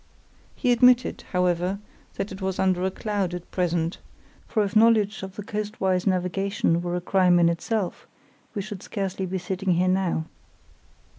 He admitted, however, that it was under a cloud at present, for if knowledge of the coastwise navigation were a crime in itself we should scarcely be sitting here now.